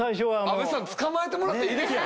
阿部さん捕まえてもらっていいですか？